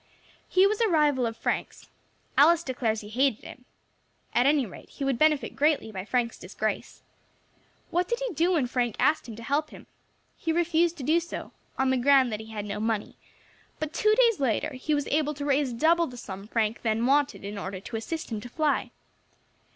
"He was a rival of Frank's. Alice declares he hated him. At any rate he would benefit greatly by Frank's disgrace. What did he do when Frank asked him to help him? He refused to do so, on the ground that he had no money; but two days later he was able to raise double the sum Frank then wanted in order to assist him to fly.